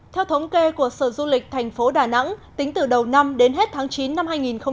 theo thống kê của sở du lịch tp đà nẵng tính từ đầu năm đến hết tháng chín năm hai nghìn một mươi chín